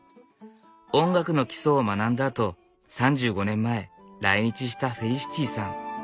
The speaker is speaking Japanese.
音楽の基礎を学んだあと３５年前来日したフェリシティさん。